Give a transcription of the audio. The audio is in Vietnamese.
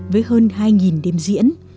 với hơn hai đêm diễn